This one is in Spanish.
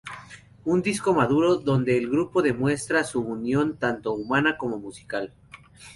Un disco maduro, donde el grupo demuestra su unión, tanto humana como musical.